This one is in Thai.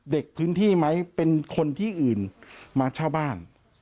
เด็กพื้นที่ไหมเป็นคนที่อื่นมาเช่าบ้าน